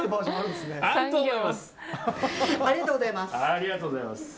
ありがとうございます。